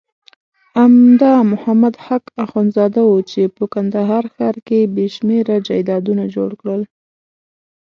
همدا محمد حق اخندزاده وو چې په کندهار ښار کې بېشمېره جایدادونه جوړ کړل.